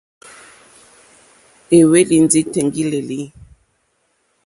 Éhwélì ndí tèŋɡí!lélí.